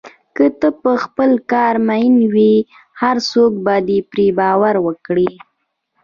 که ته په خپل کار مین وې، هر څوک به پرې باور وکړي.